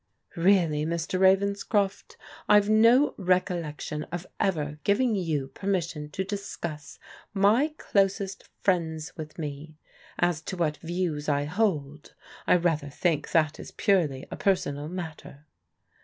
" Really, Mr. Ravenscroft, I've no recollection of ever giving you permission to discuss my closest friends with me. As to what views I hold — I rather think that is purely a personal matter."